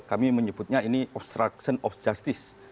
kami menyebutnya ini obstruction of justice